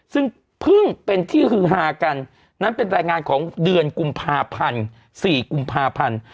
ซึ่งเพิ่งเป็นที่ฮือฮากันนั้นเป็นรายงานของเดือนกุมภาพันธ์๔กุมภาพันธ์